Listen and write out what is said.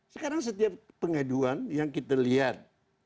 sekarang setiap pengaduan yang kita lihat